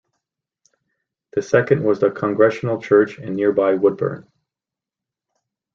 The second was the Congregational Church in nearby Woodburn.